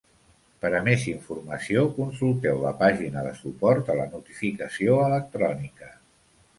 Per a més informació consulteu la pàgina de suport a la notificació electrònica.